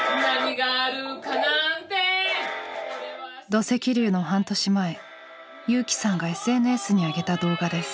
土石流の半年前友紀さんがＳＮＳにあげた動画です。